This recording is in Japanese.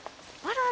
あら。